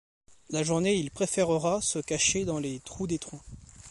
La journée il préfèrera se cacher dans les trous des troncs.